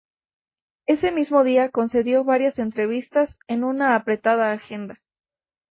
Ese mismo día concedió varias entrevistas en una apretada agenda.